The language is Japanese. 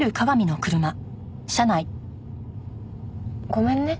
ごめんね。